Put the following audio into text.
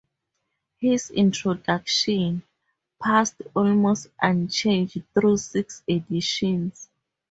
His "Introduction" passed almost unchanged through six editions.